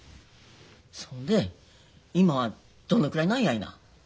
そんで今はどのくらいなんやいな。